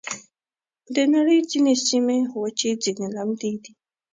د نړۍ ځینې سیمې وچې، ځینې لمدې دي.